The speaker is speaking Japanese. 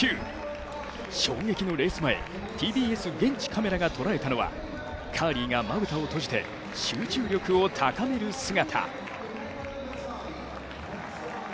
衝撃のレース前、ＴＢＳ現地カメラが捉えたのはカーリーがまぶたを閉じて集中力を高める姿。